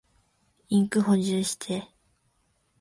インク補充して。